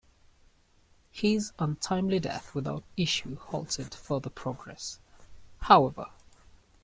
His untimely death without issue halted further progress, however.